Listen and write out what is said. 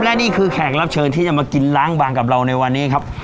และนี่คือแขกรับเชิญที่จะมากินล้างบางกับเราในวันนี้ครับ